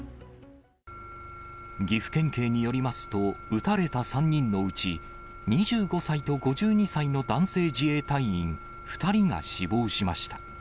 岐阜県警によりますと、撃たれた３人のうち、２５歳と５２歳の男性自衛隊員２人が死亡しました。